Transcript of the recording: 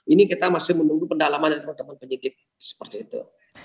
ini kita masih menunggu pendalaman dari teman teman penyidik seperti itu